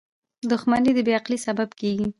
• دښمني د بې عقلی سبب کېږي.